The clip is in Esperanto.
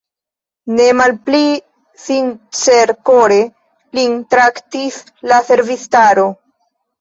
Ne malpli sincerkore lin traktis la servistaro.